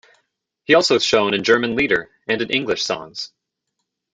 He also shone in German lieder and in English songs.